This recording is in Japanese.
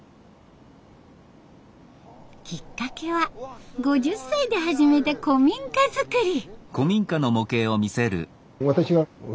きっかけは５０歳で始めた古民家作り。